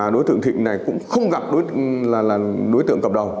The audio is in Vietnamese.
đối tượng thịnh này cũng không gặp đối tượng cập đầu